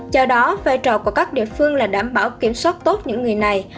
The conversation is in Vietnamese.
do đó vai trò của các địa phương là đảm bảo kiểm soát tốt những người này